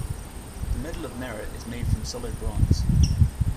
The Medal of Merit is made from solid bronze.